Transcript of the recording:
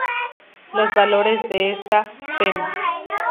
Los valores de esta f.e.m.